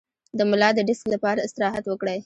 د ملا د ډیسک لپاره استراحت وکړئ